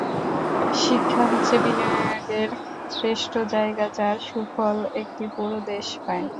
শিক্ষা হচ্ছে বিনিয়োগের শ্রেষ্ঠ জায়গা, যার সুফল একটি পুরো দেশ পায়।